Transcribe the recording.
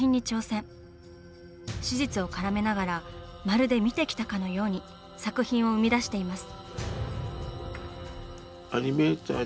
史実をからめながらまるで見てきたかのように作品を生み出しています。